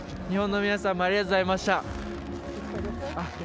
日本の皆さんもありがとうございました。